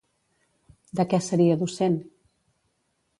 De què seria docent?